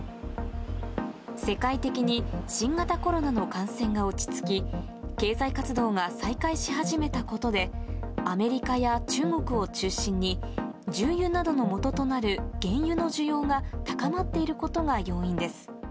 世界的に新型コロナの感染が落ち着き、経済活動が再開し始めたことで、アメリカや中国を中心に、重油などのもととなる原油の需要が高まっていることが要因です。